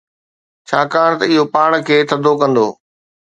ڇاڪاڻ ته اهو پاڻ کي ٿڌو ڪندو.